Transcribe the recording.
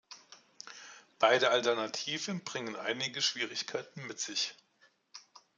Beide Alternativen bringen einige Schwierigkeiten mit sich.